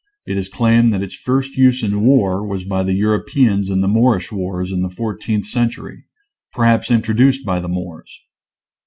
It is claimed that its first use in war was by the Europeans in the Moorish wars in the fourteenth century, perhaps in troduced by the Moors.